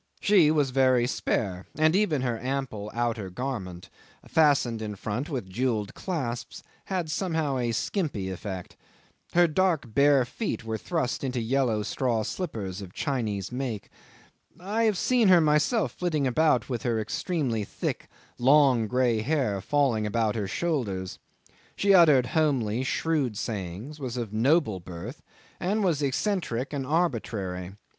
She was very spare, and even her ample outer garment, fastened in front with jewelled clasps, had somehow a skimpy effect. Her dark bare feet were thrust into yellow straw slippers of Chinese make. I have seen her myself flitting about with her extremely thick, long, grey hair falling about her shoulders. She uttered homely shrewd sayings, was of noble birth, and was eccentric and arbitrary.